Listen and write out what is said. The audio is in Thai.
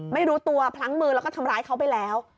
ไม่รู้ตัวพลั้งมือแล้วก็ทำร้ายเขาไปแล้ว